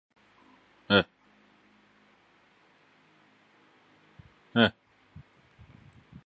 It refers to a coastal habitat.